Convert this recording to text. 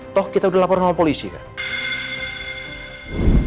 toh kita udah lapor sama polisi kan